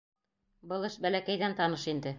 — Был эш бәләкәйҙән таныш инде.